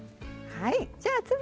はい。